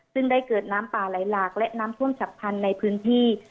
ซึ่งได้เกิดน้ำป่าไหลหลากและน้ำท่วมฉับพันธุ์ในพื้นที่